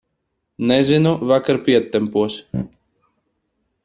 Nezinu, vakar pietempos.